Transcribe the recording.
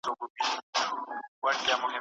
ایا د زړه د سلامتۍ لپاره د انګورو جوس چښل ښه دي؟